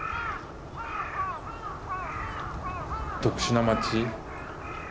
特殊な町。